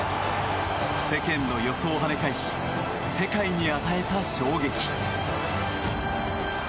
世間の予想を跳ね返し世界に与えた衝撃。